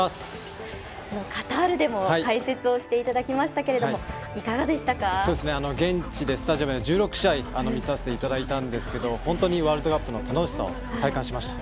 カタールでも解説をしていただきましたけれども現地でスタジアムで１６試合見させていただいたんですけど本当にワールドカップの楽しさを体感しました。